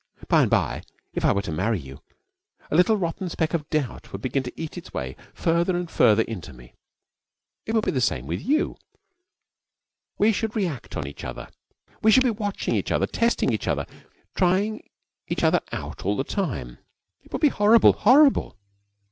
By and by, if I were to marry you, a little rotten speck of doubt would begin to eat its way farther and farther into me. It would be the same with you. We should react on each other. We should be watching each other, testing each other, trying each other out all the time. It would be horrible, horrible!'